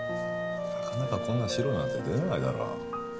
なかなかこんな白なんて出ないだろ